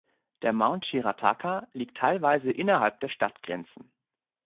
Der Mount Shirataka liegt teilweise innerhalb der Stadtgrenzen.